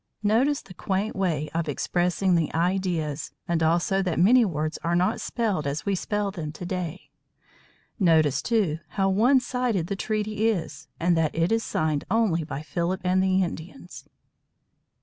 Notice the quaint way of expressing the ideas, and also, that many words are not spelled as we spell them to day. Notice, too, how one sided the treaty is, and that it is signed only by Philip and the Indians.